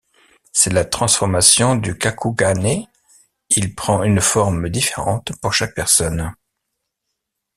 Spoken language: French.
C'est la transformation du kakugane, il prend une forme différente pour chaque personne.